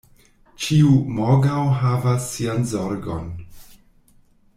Ĉiu morgaŭ havas sian zorgon.